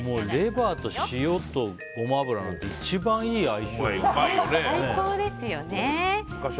レバーと塩とゴマ油って一番いい相性だよね。